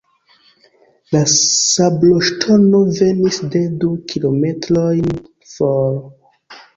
La sabloŝtono venis de du kilometrojn for.